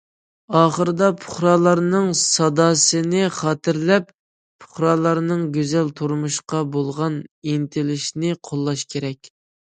ئاخىرىدا، پۇقرالارنىڭ ساداسىنى خاتىرىلەپ، پۇقرالارنىڭ گۈزەل تۇرمۇشقا بولغان ئىنتىلىشىنى قوللاش كېرەك.